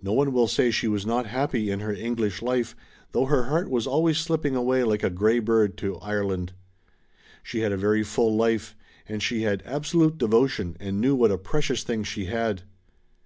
No one will say she was not happy in her English life, though her heart was always slipping away like a grey bird to Ireland. She had a very full life and she had absolute devotion and knew what a precious thing she had.